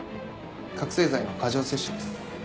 覚醒剤の過剰摂取です。